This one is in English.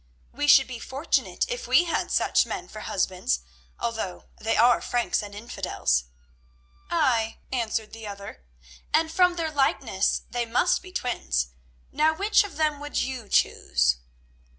"We should be fortunate if we had such men for husbands, although they are Franks and infidels." "Ay," answered the other; "and from their likeness they must be twins. Now which of them would you choose?"